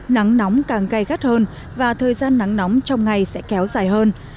nắng nóng càng gây gắt hơn và thời gian nắng nóng trong ngày sẽ kéo dài hơn